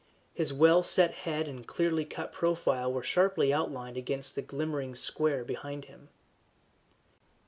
His well set head and clearly cut profile were sharply outlined against the glimmering square behind him.